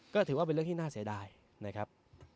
ก็ถือว่าเป็นเรื่องที่น่าเสียดายนะครับ